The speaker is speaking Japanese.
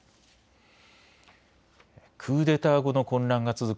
クーデター後の混乱が続く